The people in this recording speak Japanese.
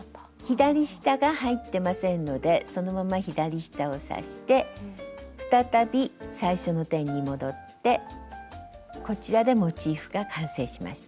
左下が入ってませんのでそのまま左下を刺して再び最初の点に戻ってこちらでモチーフが完成しました。